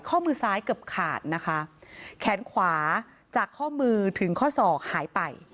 ข้อมือซ้ายเกือบขาดนะคะแขนขวาจากข้อมือถึงข้อศอกหายไป